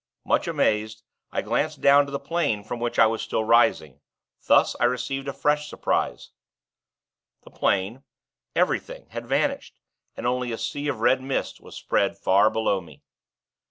Much amazed, I glanced down to the Plain from which I was still rising. Thus, I received a fresh surprise. The Plain everything had vanished, and only a sea of red mist was spread far below me.